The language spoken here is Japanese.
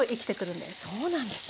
そうなんですね！